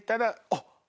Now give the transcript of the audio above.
あっ！